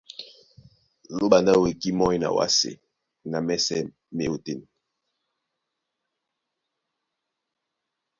Lóɓa ndé a wekí mɔ́ny na wásē na mɛ́sɛ̄ má e ótên.